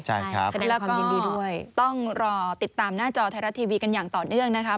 ใช่แล้วก็ต้องรอติดตามหน้าจอไทรัตย์ทีวีกันอย่างต่อเนื่องนะครับ